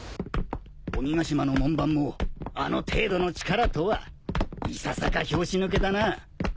鬼ヶ島の門番もあの程度の力とはいささか拍子抜けだな。